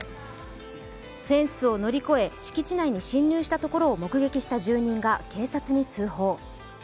フェンスを乗り越え敷地内に侵入したところを目撃した住人が、警察に通報。